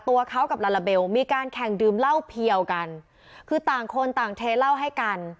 ตัวเขากับลาลาเบลมีการแข่งดื่มเหล้าเพียวกันคือต่างคนต่างเทเหล้าให้กัน